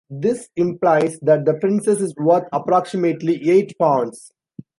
This implies that the princess is worth approximately eight pawns.